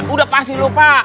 udah pasti lupa